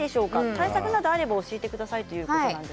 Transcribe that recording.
対策などあれば教えてくださいときています。